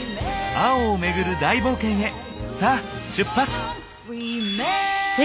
青をめぐる大冒険へさあ出発！